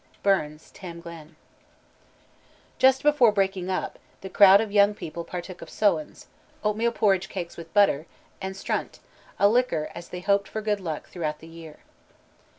BURNS: Tam Glen. Watching. Drenched. Just before breaking up, the crowd of young people partook of sowens, oatmeal porridge cakes with butter, and strunt, a liquor, as they hoped for good luck throughout the year.